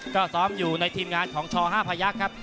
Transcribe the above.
ก็ซ้อมอยู่ในทีมงานของช๕พยักษ์ครับ